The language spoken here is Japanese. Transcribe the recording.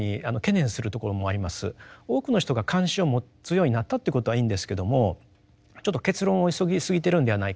多くの人が関心を持つようになったってことはいいんですけどもちょっと結論を急ぎすぎてるんではないか。